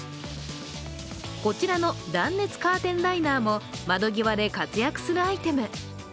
こちらの断熱カーテンライナーも窓際で活躍するアイテム。